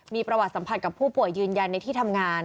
มีประวัติสัมผัสกับผู้ป่วยยืนยันในที่ทำงาน